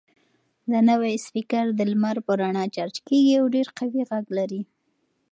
دا نوی سپیکر د لمر په رڼا چارج کیږي او ډېر قوي غږ لري.